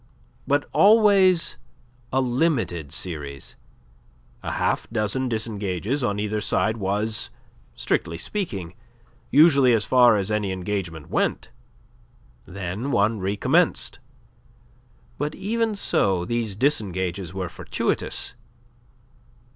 But always a limited series. A half dozen disengages on either side was, strictly speaking, usually as far as any engagement went. Then one recommenced. But even so, these disengages were fortuitous.